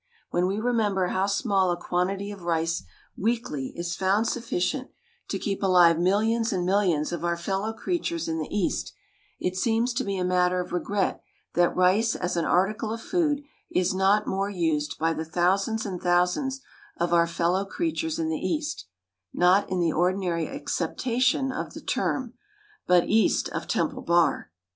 When we remember how small a quantity of rice weekly is found sufficient to keep alive millions and millions of our fellow creatures in the East, it seems to be a matter of regret that rice as an article of food is not more used by the thousands and thousands of our fellow creatures in the East not in the ordinary acceptation of the term, but East of Temple Bar.